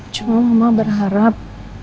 cuma mama berharap